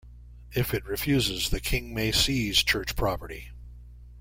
If it refuses, the king may seize Church property.